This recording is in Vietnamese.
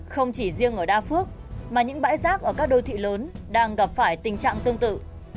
không chỉ riêng ở đa phước mà những bãi rác ở các đô thị lớn đang gặp phải tình trạng tương tự